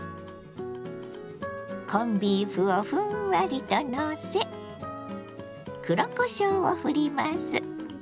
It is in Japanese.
コンビーフをふんわりとのせ黒こしょうをふります。